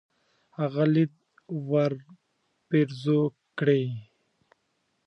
هغه ليد ورپېرزو کړي.